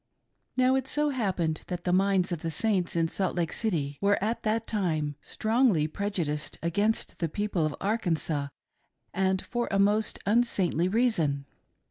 Now it so happened that the minds of the Saints in Salt Lake City were at that time strongly prejudiced against the people of Arkansas, and for a most unsaintly reason.